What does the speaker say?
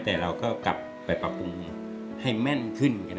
แต่เราก็กลับไปปรับปรุงให้แม่นขึ้น